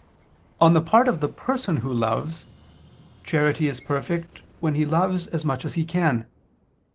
On the part of the person who loves, charity is perfect, when he loves as much as he can.